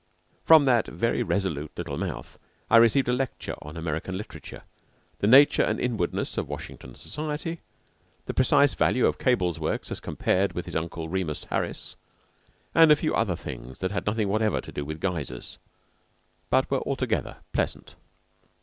From that very resolute little mouth I received a lecture on American literature, the nature and inwardness of Washington society, the precise value of Cable's works as compared with Uncle Remus Harris, and a few other things that had nothing whatever to do with geysers, but were altogether pleasant.